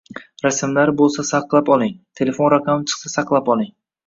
rasmlari bo‘lsa saqlab oling, telefon raqami chiqsa saqlab oling